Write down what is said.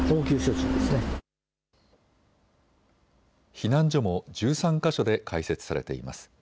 避難所も１３か所で開設されています。